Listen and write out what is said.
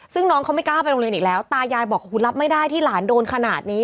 ซึ่งน้องเขาไม่กล้าไปโรงเรียนอีกแล้วตายายบอกรับไม่ได้ที่หลานโดนขนาดนี้